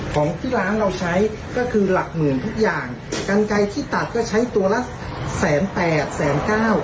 ของที่ร้านเราใช้ก็คือหลักหมื่นทุกอย่างกันไกลที่ตัดก็ใช้ตัวละแสนแปดแสนเก้า